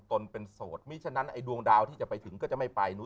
ตนเป็นโสดมีฉะนั้นไอ้ดวงดาวที่จะไปถึงก็จะไม่ไปนู้น